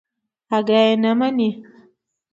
اگه يې نه مني.